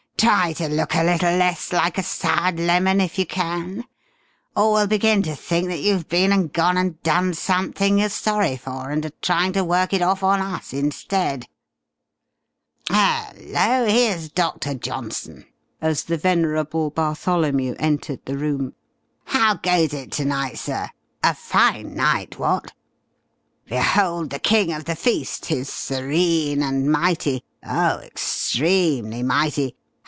"Try to look a little less like a soured lemon, if you can! Or we'll begin to think that you've been and gone and done something you're sorry for, and are trying to work it off on us instead." "Hello, here's Doctor Johnson," as the venerable Bartholomew entered the room. "How goes it to night, sir? A fine night, what? Behold the king of the feast, his serene and mighty oh extremely mighty!